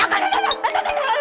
aduh matang matang dah